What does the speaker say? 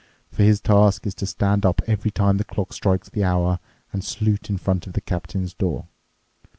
For his task is to stand up every time the clock strikes the hour and salute in front of the captain's door.